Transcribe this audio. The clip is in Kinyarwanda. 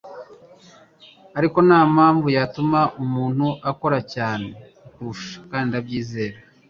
ariko ntampanvu yatuma umuntu akora cyane kukurusha - kandi ndabyizera.”